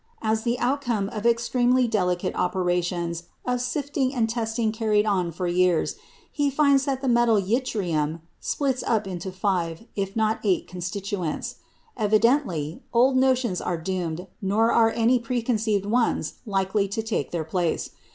As the outcome of extremely delicate operations of sifting and testing carried on for years, he finds that the metal yttrium splits up into five, if not eight constituents. Evidently, old notions are doomed, nor are any preconceived ones likely to take their place.